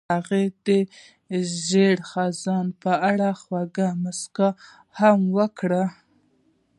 هغې د ژور خزان په اړه خوږه موسکا هم وکړه.